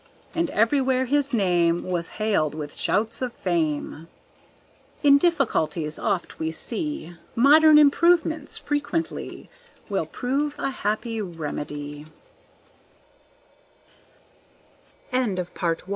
And everywhere his name Was hailed with shouts of fame. In difficulties, oft we see Modern improvements frequently Will prove a happy re